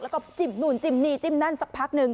แล้วก็จิบหนุนจิบนี่จิบนั่นสักพักหนึ่ง